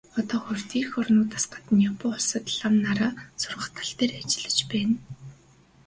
Одоогоор дээрх орнуудаас гадна Япон улсад лам нараа сургах тал дээр ажиллаж байна.